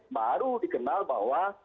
baru dikenal bahwa